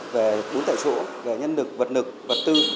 về bốn tại chỗ về nhân lực vật lực vật tư